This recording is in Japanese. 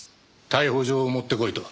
逮捕状を持ってこいと？